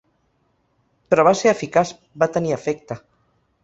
Però va ser eficaç, va tenir efecte.